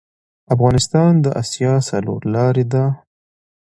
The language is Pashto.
افغانستان د اسیا څلور لارې ده